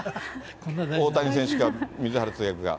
大谷選手や水原通訳が。